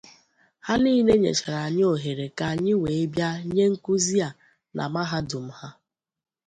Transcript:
Ha niile nyèchàrà anyị òhèrè ka anyị wee bịa nye nkụzi a na mahadum ha